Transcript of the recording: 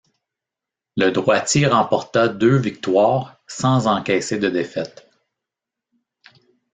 Le droitier remporta deux victoires sans encaisser de défaites.